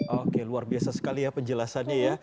oke luar biasa sekali ya penjelasannya ya